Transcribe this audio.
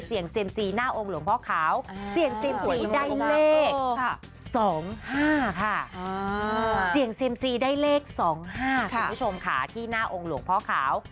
ซีเอ็มซีได้เลขสองห้าคุณผู้ชมค่ะที่หน้าองค์หลวงพ่อขาว